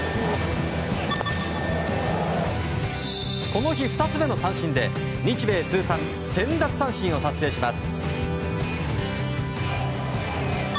この日２つ目の三振で日米通算１０００奪三振を達成します。